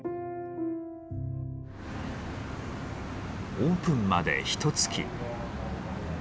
オープンまでひとつき。